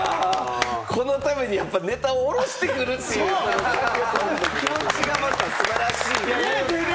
このためにやっぱネタをおろしてくる気持ちがまた素晴らしいね。